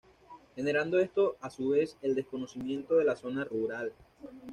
Generando esto a su vez el desconocimiento de la zona rural.